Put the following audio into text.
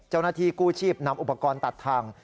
เจ้าหน้าที่กู้ชีพนำอุปกรณ์ตัดทาง